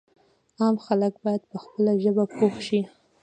عام خلک باید په خپله ژبه پوه شي.